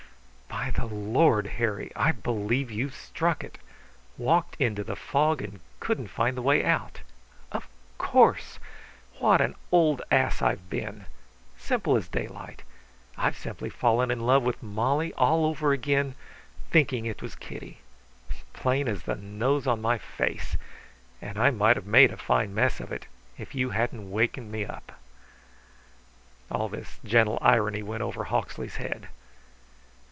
"By the Lord Harry, I believe you've struck it! Walked into the fog and couldn't find the way out. Of course. What an old ass I've been! Simple as daylight. I've simply fallen in love with Molly all over again, thinking it was Kitty. Plain as the nose on my face. And I might have made a fine mess of it if you hadn't waked me up." All this gentle irony went over Hawksley's head.